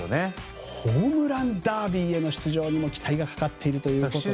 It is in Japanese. ホームランダービーへの出場も期待がかかっているということで。